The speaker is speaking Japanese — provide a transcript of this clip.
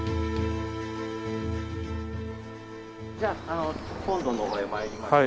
じゃあ本堂の方へ参りましょう。